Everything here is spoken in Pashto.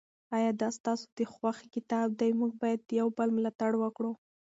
آیا دا ستاسو د خوښې کتاب دی؟ موږ باید د یو بل ملاتړ وکړو.